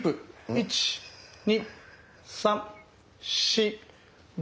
１２３４５。